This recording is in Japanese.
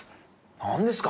何ですか？